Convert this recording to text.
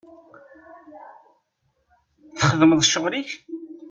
Txedmeḍ ccɣel-ik?